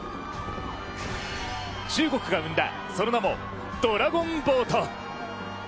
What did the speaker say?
中国が生んだその名もドラゴンボート。